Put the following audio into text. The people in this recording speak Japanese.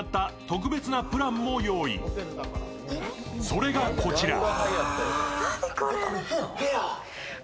それがこちら。